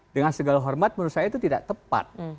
dengan segala hormat menurut saya itu tidak tepat